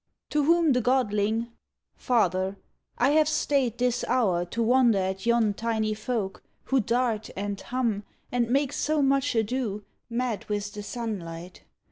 To whom the godling: "Father, I have stayed This hour to wonder at yon tiny folk. Who dart, and hum, and make so much a do, Mad with the sunlight.